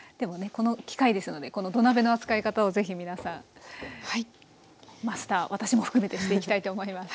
この機会ですのでこの土鍋の扱い方をぜひ皆さんマスター私も含めてしていきたいと思います。